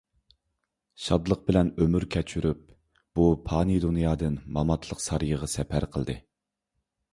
شادلىق بىلەن ئۆمۈر كەچۈرۈپ، بۇ پانىي دۇنيادىن ماماتلىق سارىيىغا سەپەر قىلدى.